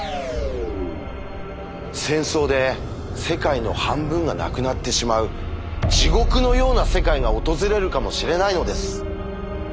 戦争で世界の半分がなくなってしまう地獄のような世界が訪れるかもしれないのです。